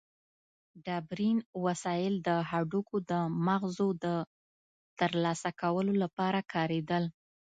ډبرین وسایل د هډوکو د مغزو د ترلاسه کولو لپاره کارېدل.